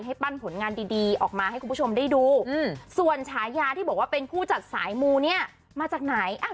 ปั้นผลงานดีออกมาให้คุณผู้ชมได้ดูส่วนฉายาที่บอกว่าเป็นผู้จัดสายมูเนี่ยมาจากไหน